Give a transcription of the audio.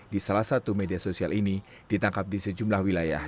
di salah satu media sosial ini ditangkap di sejumlah wilayah